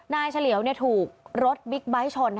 เฉลียวถูกรถบิ๊กไบท์ชน